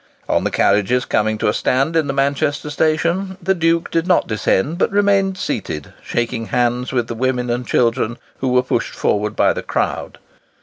On the carriages coming to a stand in the Manchester station the Duke did not descend, but remained seated, shaking hands with the women and children who were pushed forward by the crowd.